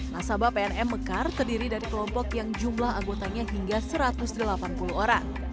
nasabah pnm mekar terdiri dari kelompok yang jumlah anggotanya hingga satu ratus delapan puluh orang